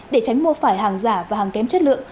để tránh mua phải hàng giả và hàng kém chất lượng